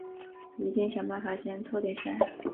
一定想办法先凑点钱